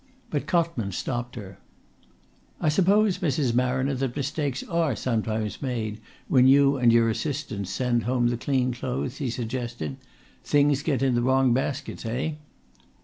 But Cotman stopped her. "I suppose, Mrs. Marriner, that mistakes are sometimes made when you and your assistants send home the clean clothes?" he suggested. "Things get in the wrong baskets, eh?"